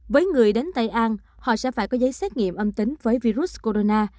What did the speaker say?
với người đến tây an họ sẽ phải có giấy xét nghiệm âm tính với virus corona